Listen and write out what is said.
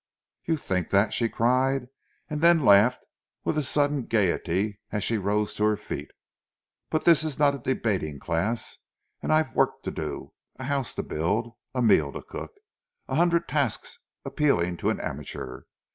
"You think that?" she cried, and then laughed with sudden gaiety as she rose to her feet. "But this is not a debating class, and I've work to do a house to build, a meal to cook a hundred tasks appealing to an amateur.